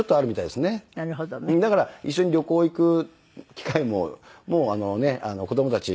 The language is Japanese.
だから一緒に旅行行く機会ももう子供たち。